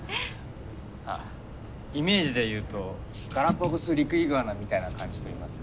イメージで言うとガラパゴスリクイグアナみたいな感じといいますか。